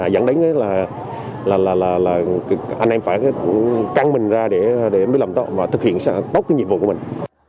dẫn đến là anh em phải căng mình ra để thực hiện tốt cái nhiệm vụ của mình